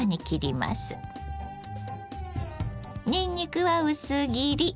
にんにくは薄切り。